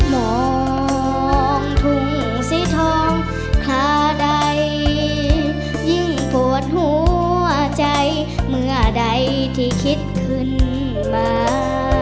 มองทุ่งสีทองคราใดยิ่งปวดหัวใจเมื่อใดที่คิดขึ้นมา